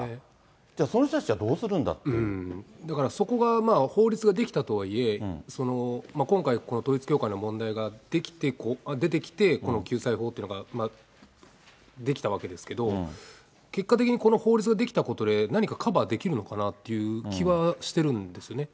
じゃあ、その人たちはどうするんそこが法律が出来たとはいえ、今回、この統一教会の問題が出てきて、この救済法というのが出来たわけですけど、結果的にこの法律が出来たことで、何かカバーできるのかっていう気はしてるんですよね。